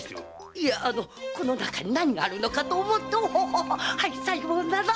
いやあのこの中に何があるのかと思ってハイさようなら！